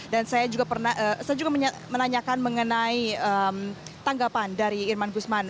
dan saya juga menanyakan mengenai tanggapan dari yerman gusman